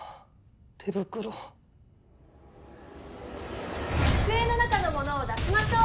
手袋机の中のものを出しましょう